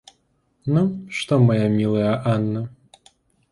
Ну, что моя милая Анна?